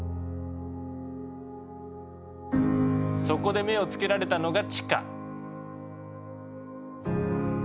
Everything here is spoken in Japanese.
そこで目をつけられたのが地下。